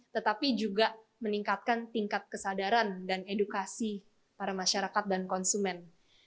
tetapi juga meningkatkan tingkat kesadaran dan edukasi para masyarakat dan konsumen